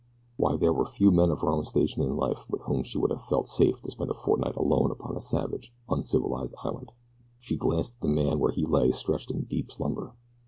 Why there were few men of her own station in life with whom she would have felt safe to spend a fortnight alone upon a savage, uncivilized island! She glanced at the man where he lay stretched in deep slumber.